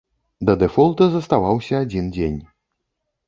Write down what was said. Да дэфолта заставаўся адзін дзень.